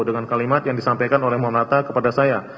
dengan kalimat yang disampaikan oleh monata kepada saya